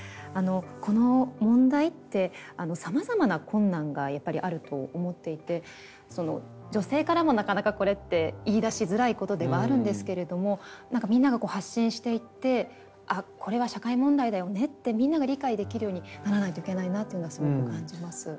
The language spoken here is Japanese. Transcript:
この問題ってさまざまな困難がやっぱりあると思っていて女性からもなかなかこれって言いだしづらいことではあるんですけれども何かみんなが発信していって「あっこれは社会問題だよね」ってみんなが理解できるようにならないといけないなっていうのはすごく感じます。